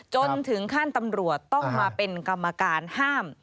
จนถึงขั้นตำรวจต้องมาเป็นกรรมการห้าม